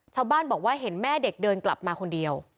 ชาวบ้านบอกว่าเห็นแม่เด็กเดินกลับมาคนเดียว